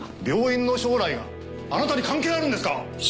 病院の将来があなたに関係あるんですか！？